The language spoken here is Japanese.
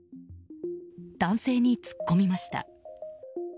男性に突っ込みました。